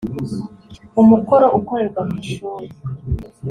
Umukoro ukorerwa mu ishuri